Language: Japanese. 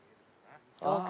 ああ。